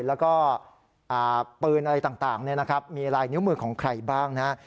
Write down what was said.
แล้วก็ปืนอะไรต่างมีลายนิ้วมือของใครบ้างนะฮะ